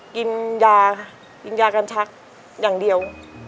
กินยากัญชักอย่างเดียว